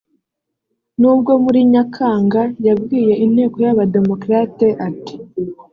nubwo muri Nyakanga yabwiye Inteko y’Aba démocrate ati